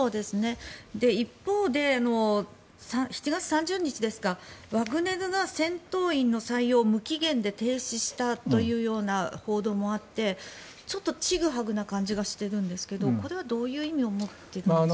一方で、７月３０日ですかワグネルが戦闘員の採用を無期限で停止したという報道もあってちょっとちぐはぐな感じがしてるんですがこれはどういう意味を持ってるんでしょうか。